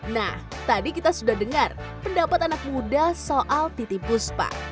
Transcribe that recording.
nah tadi kita sudah dengar pendapat anak muda soal titi puspa